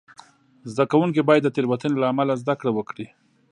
زده کوونکي باید د تېروتنې له امله زده کړه وکړي.